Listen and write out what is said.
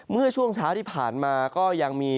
เมื่อช่วงเช้าที่ผ่านมาก็ยังมี